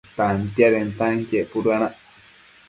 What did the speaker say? Tantiadentanquien puduenac